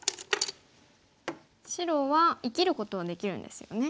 白は生きることはできるんですよね。